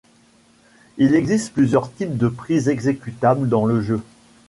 Il existe plusieurs types de prises exécutables dans le jeu.